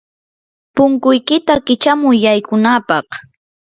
punkuykiyta kichamuy yaykunapaq.